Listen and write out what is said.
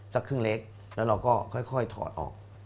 สักครึ่งเล็กแล้วเราก็ค่อยถอดออก